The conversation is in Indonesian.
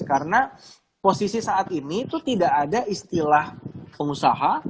karena posisi saat ini itu tidak ada istilah pengusaha